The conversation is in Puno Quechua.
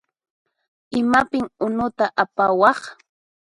Imapin unuta apawaq?